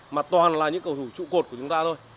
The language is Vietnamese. mà toàn là những cầu thủ trụ cột của chúng ta thôi